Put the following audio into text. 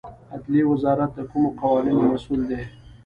عدلیې وزارت د کومو قوانینو مسوول دی؟